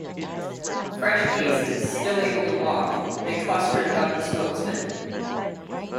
Fresh cases, still able to walk, they clustered about the spokesman.